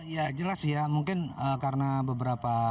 ya jelas ya mungkin karena beberapa